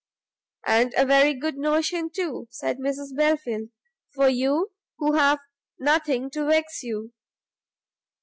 "And a very good notion too," said Mrs Belfield, "for you who have nothing to vex you.